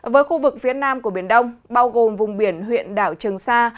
với khu vực phía nam của biển đông bao gồm vùng biển huyện đảo trường sa